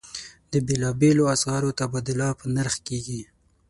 د بېلابېلو اسعارو تبادله په نرخ کېږي.